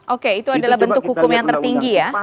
oke itu adalah bentuk hukum yang tertinggi ya